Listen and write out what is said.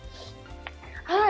はい。